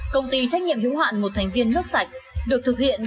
công ty trách nhiệm hữu hạn một thành viên nước sạch được thực hiện